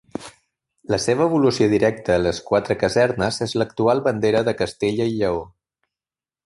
La seva evolució directa a les quatre casernes és l'actual bandera de Castella i Lleó.